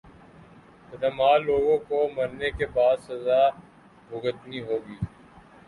بداعمال لوگوں کو مرنے کے بعد سزا بھگتنی ہوگی